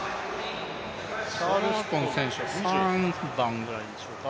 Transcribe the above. チャールストン選手は３番ぐらいでしょうか。